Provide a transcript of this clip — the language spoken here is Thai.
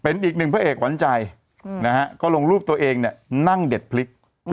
เป็นอีกหนึ่งพระเอกขวัญใจนะฮะก็ลงรูปตัวเองเนี่ยนั่งเด็ดพลิก